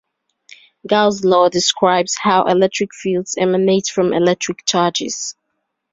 Gauss's law describes how electric fields emanate from electric charges.